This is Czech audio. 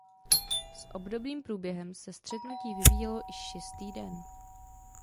S obdobným průběhem se střetnutí vyvíjelo i šestý den.